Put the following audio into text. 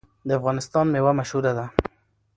د افغانستان میوه مشهوره ده.